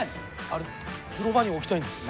あれ風呂場に置きたいんです。